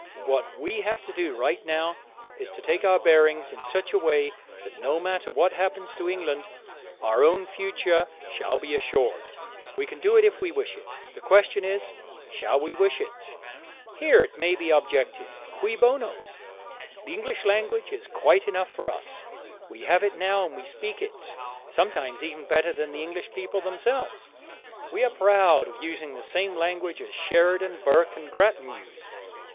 What we have to do, right now, is to take our bearings in such a way that, no matter what happens to England, our own future shall be assured. We can do it if we wish it: the question is, shall we wish it? Here it may be objected, Cui bono The English language is quite enough for us. We have it now and we speak it, sometimes, even better than the English people themselves. We are proud of using the same language as Sheridan, Burke, and Grattan used.